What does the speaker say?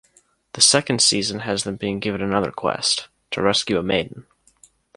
The second season has them being given another quest - to rescue a maiden.